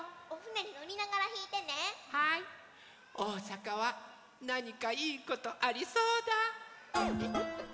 おおさかはなにかいいことありそうだ！